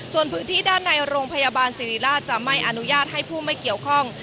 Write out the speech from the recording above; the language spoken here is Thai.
ส่วนพื้นที่ด้านในโรงพยาบาลศิริราชจะไม่อนุญาตให้ผู้ไม่เกี่ยวข้อง